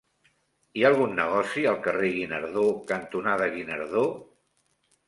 Hi ha algun negoci al carrer Guinardó cantonada Guinardó?